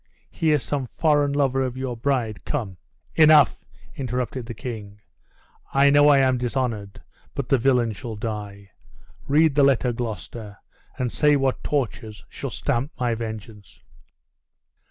He is some foreign lover of your bride, come " "Enough!" interrupted the king; "I know I am dishonored; but the villain shall die. Read the letter, Gloucester, and say what tortures shall stamp my vengeance!"